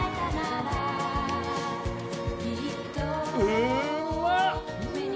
うまっ！